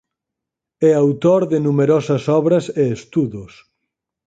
É autor de numerosas obras e estudos.